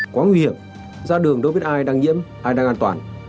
quá nguy hiểm ra đường đâu biết ai đang nhiễm ai đang an toàn